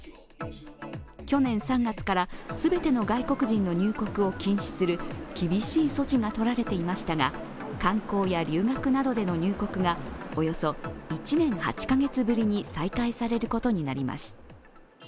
去年３月から、全ての外国人の入国を禁止する厳しい措置がとられていましたが観光や留学などでの入国がおよそ１年８カ月ぶりに再開されることになります。